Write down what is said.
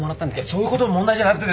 そういうことは問題じゃなくて。